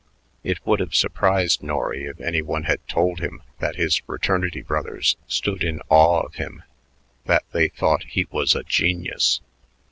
It would have surprised Norry if any one had told him that his fraternity brothers stood in awe of him, that they thought he was a genius.